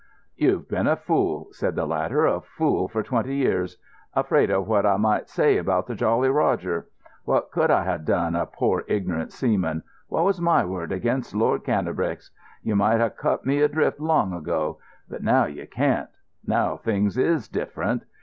"You've been a fool," said the latter—"a fool for twenty years. Afraid o' what I might say about the Jolly Roger. What could I ha' done, a pore ignorant seaman? What was my word against Lord Cannebrake's? You might ha' cut me adrift long ago. But now you can't. Now things is different.